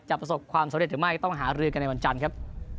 ประสบความสำเร็จหรือไม่ต้องหารือกันในวันจันทร์ครับ